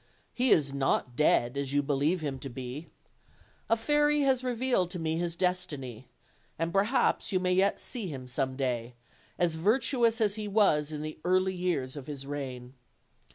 He is not dead, as you believe him to be. A fairy has revealed to me his destiny, and perhaps you may yet see him some day as virtuous as he was in the early years of his reign.